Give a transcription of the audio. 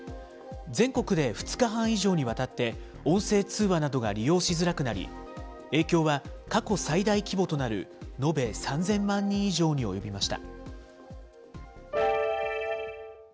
全国で２日半以上にわたって、音声通話などが利用しづらくなり、影響は過去最大規模となる延べ３０００万人以上に及びました。